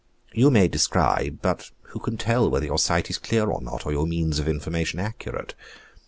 You may describe, but who can tell whether your sight is clear or not, or your means of information accurate?